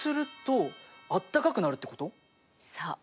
そう。